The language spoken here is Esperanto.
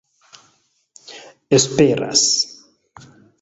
esperas